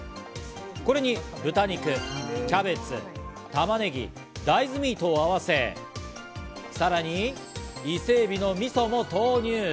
これに豚肉、キャベツ、玉ねぎ、大豆ミートを合わせ、さらに伊勢海老のみそも投入。